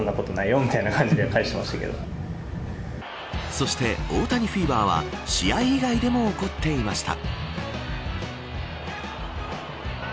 そして、大谷フィーバーは試合以外でも起こっていました。